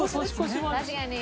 確かに。